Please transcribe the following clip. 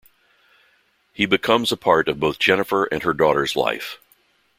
He becomes a part of both Jennifer and her daughter's life.